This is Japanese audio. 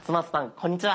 こんにちは。